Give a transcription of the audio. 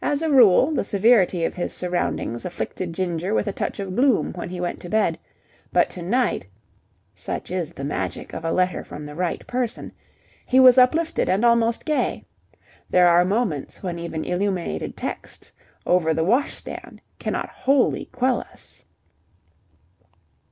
As a rule, the severity of his surroundings afflicted Ginger with a touch of gloom when he went to bed; but to night such is the magic of a letter from the right person he was uplifted and almost gay. There are moments when even illuminated texts over the wash stand cannot wholly quell us.